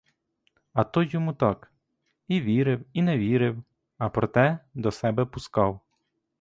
А той йому так: і вірив, і не вірив, а проте до себе пускав.